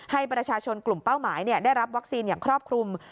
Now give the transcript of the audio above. ให้ประชาชนกลุ่มเป้าหมายได้รับวัคซีนอย่างครอบคลุม